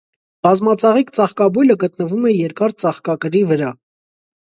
Բազմածաղիկ ծաղկաբույլը գտնվում է երկար ծաղկակրի վրա։